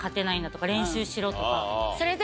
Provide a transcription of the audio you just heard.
それで。